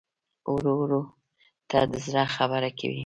ورور ته د زړه خبره کوې.